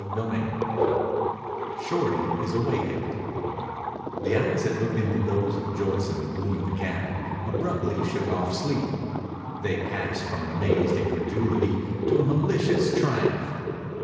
CHAPTER XLII SHORTY IS AWAKENED The eyes that looked into those of Joyce in the gloom of the cabin abruptly shook off sleep. They passed from an amazed incredulity to a malicious triumph.